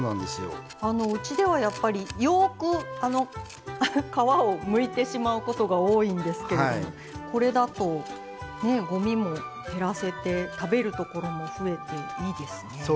うちでは、やっぱりよく皮をむいてしまうことが多いんですけどこれだと、ごみも減らせて食べるところも増えていいですね。